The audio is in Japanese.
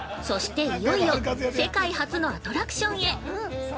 そして、いよいよ、世界初のアトラクションへ。